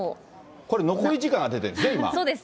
これ、残り時間が出てるんだね、そうです。